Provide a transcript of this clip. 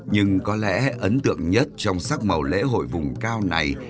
nhưng có lẽ ấn tượng nhất trong sắc màu lễ hội vùng cao này